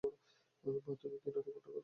মা, তুমি কি নাটকটা দেখবে?